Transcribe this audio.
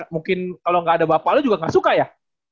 mungkin kalo gak ada bapak lu juga gak suka ya